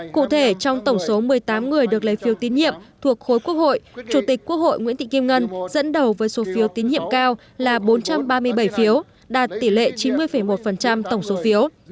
cụ thể trong tổng số một mươi tám người được lấy phiếu tín nhiệm thuộc khối quốc hội chủ tịch quốc hội nguyễn thị kim ngân dẫn đầu với số phiếu tín nhiệm cao là bốn trăm ba mươi bảy phiếu đạt tỷ lệ chín mươi một tổng số phiếu